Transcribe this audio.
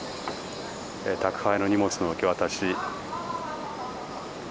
宅配の荷物の受け渡し。